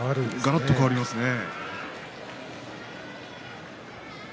がらっと変わりますね。